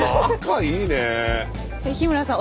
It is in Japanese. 日村さん